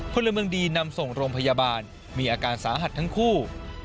พลเมืองดีนำส่งโรงพยาบาลมีอาการสาหัสทั้งคู่